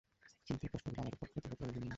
কিন্তু এই প্রশ্নগুলি আমাদের পক্ষে অতীব প্রয়োজনীয়।